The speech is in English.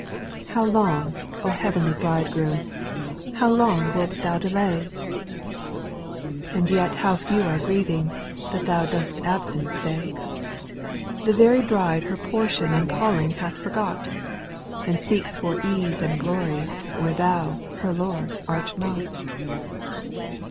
8. How long, O Heavenly Bridegroom, How long wilt Thou delay ? 286 SPIRITUAL SONGS. And yet how few are grieving Tlmt Thou dost absent stay ; Thy very bride her portion And calling hath forgot, And seeks for ease and glory, Where Thou, her Lord, art not.